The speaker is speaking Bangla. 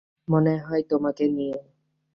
মনে হয় তোমাকে নিয়ে।